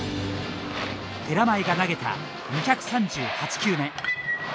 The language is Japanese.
寺前が投げた２３８球目。